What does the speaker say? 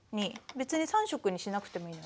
別に３色にしなくてもいいのでね